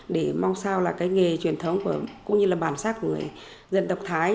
để mong sao là cái nghề truyền thống cũng như là bản sắc của người dân tộc thái